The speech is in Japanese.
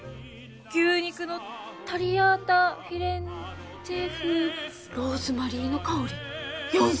牛肉のタリアータフィレンツェ風ローズマリーの香り４，０００円！？